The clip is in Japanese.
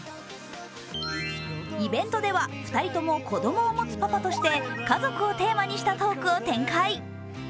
イベントでは２人とも子供を持つパパとして家族をテーマにしたトークを展開。